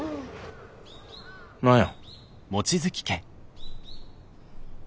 何や。